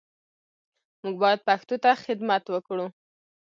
موږ باید پښتو ته خدمت وکړو